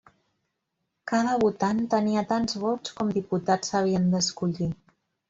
Cada votant tenia tants vots com diputats s'havien d'escollir.